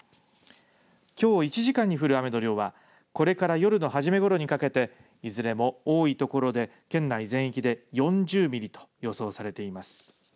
きょう１時間に降る雨の量はこれから夜の初めごろにかけていずれも多い所で、県内全域で４０ミリと予想されています。